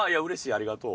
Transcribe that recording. ありがとう。